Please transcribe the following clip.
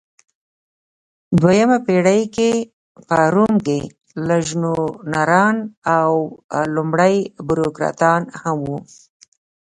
دویمه پېړۍ کې په روم کې لژنونران او لومړۍ بوروکراتان هم وو.